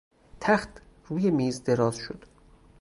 تخت روی میز دراز شد.